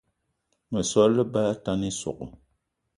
Meso á lebá atane ísogò